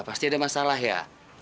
pasti ada masalah ya